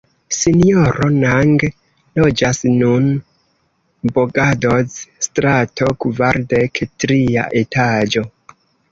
Sinjoro Nang loĝas nun Bogadoz-strato kvardek, tria etaĝo.